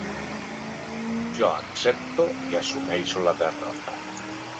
Jo accepto i assumeixo la derrota.